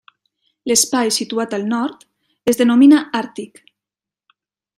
L'Espai situat al nord es denomina Àrtic.